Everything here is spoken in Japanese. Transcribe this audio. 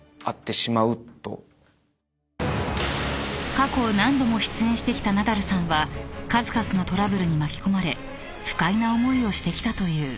［過去何度も出演してきたナダルさんは数々のトラブルに巻き込まれ不快な思いをしてきたという］